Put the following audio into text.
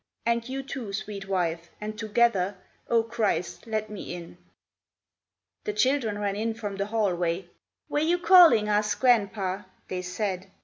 And you, too, sweet wife and together O Christ, let me in" The children ran in from the hallway, "Were you calling us, grandpa?" they said.